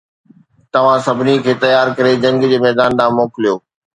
توهان سڀني کي تيار ڪري جنگ جي ميدان ڏانهن موڪليو